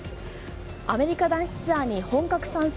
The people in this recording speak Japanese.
アメリカ男子ツアーに本格参戦